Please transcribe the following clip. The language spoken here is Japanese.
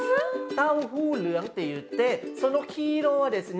タオフールアンっていってその黄色はですね